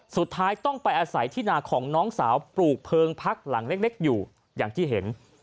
สุดท้ายต้องไปอาศัยที่นาของน้องสาวปลูกเพลิงพักหลังเล็กอยู่อย่างที่เห็น